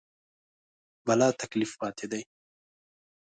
بلاتکلیف پاتې دي.